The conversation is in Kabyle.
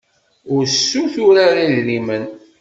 Ur ssutur ara idrimen.